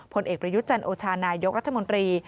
ผลเอกประยุทธ์จันโอชานายกรัฐมนตรี